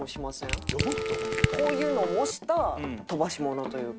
こういうのを模した飛ばし物というか。